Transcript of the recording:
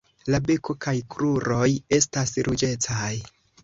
La beko kaj kruroj estas ruĝecaj.